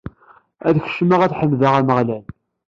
Ad kecmeɣ, ad ḥemdeɣ Ameɣlal.